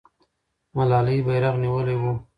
ملالۍ بیرغ نیولی وو.